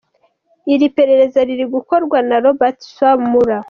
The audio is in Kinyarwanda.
Iri perereza riri gukorwa na Robert Swan Mueller.